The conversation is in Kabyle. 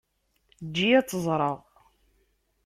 Eǧǧ-iyi ad tt-ẓreɣ.